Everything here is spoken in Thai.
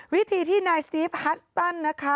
วิธีที่นายซีฟฮัสตันนะคะ